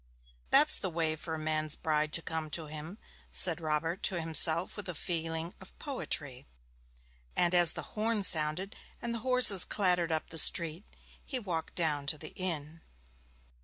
'That's the way for a man's bride to come to him,' said Robert to himself with a feeling of poetry; and as the horn sounded and the horses clattered up the street he walked down to the inn.